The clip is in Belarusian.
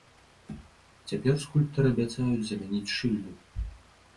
Цяпер скульптары абяцаюць замяніць шыльду.